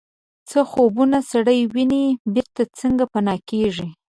څه خوبونه سړی ویني بیرته څنګه پناه کیږي